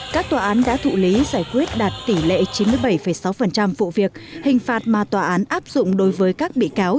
các tòa án đã thụ lý giải quyết đạt tỷ lệ chín mươi bảy sáu vụ việc hình phạt mà tòa án áp dụng đối với các bị cáo